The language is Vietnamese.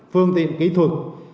phương tiện kỹ thuật